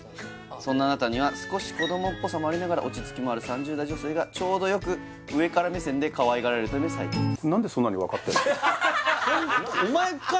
そんなあなたには少し子どもっぽさもありながら落ち着きもある３０代女性がちょうどよく上から目線でかわいがられるため最適です